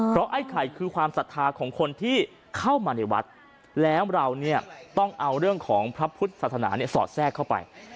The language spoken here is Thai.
เพราะไอ้ไข่คือความศรัทธาของคนที่เข้ามาในวัดแล้วเราเนี่ยต้องเอาเรื่องของพระพุทธศาสนาสอดแทรกเข้าไป